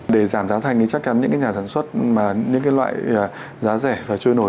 để giảm giá thành thì chắc chắn những cái nhà sản xuất mà những cái loại giá rẻ và trôi nổi